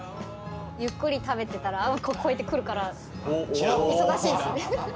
ゆっくり食べてたらこうやってくるから忙しいですね。